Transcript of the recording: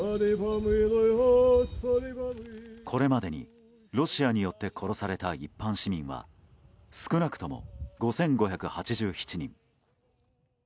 これまでにロシアによって殺された一般市民は少なくとも５５８７人。